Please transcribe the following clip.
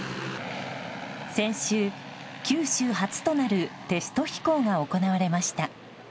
先週、九州初となるテスト飛行が行われました。